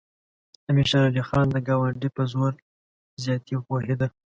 امیر شېر علي خان د ګاونډي په زور زیاتي پوهېده.